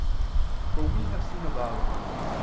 For we have seen above (Q.